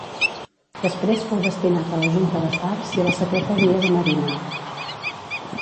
Després fou destinat a la Junta de Fars i a la Secretaria de Marina.